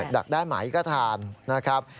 ดักได้ไหมก็ทานนะครับ